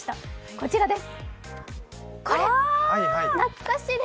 こちらです。